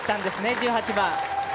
１８番。